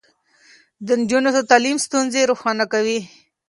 د نجونو تعليم ستونزې روښانه کوي.